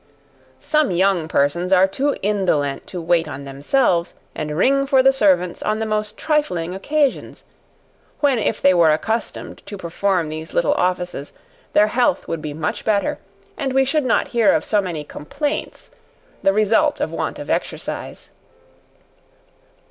Some young persons are too indolent to wait on themselves, and ring for the servants on the most trifling occasions; when if they were accustomed to perform these little offices, their health would be much better, and we should not hear of so many complaints, the result of want of exercise.